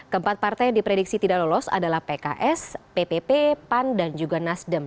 keempat partai yang diprediksi tidak lolos adalah pks ppp pan dan juga nasdem